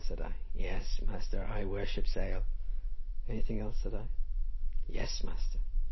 said I. "Yes, master; I worships ale." "Anything else?" said I. "Yes, master!